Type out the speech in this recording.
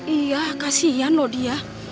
iya kasihan loh dia